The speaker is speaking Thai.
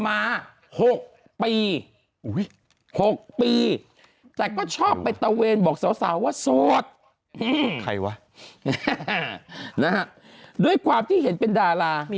แมวก็ดันทักแชทไปถามไปเมาเม่า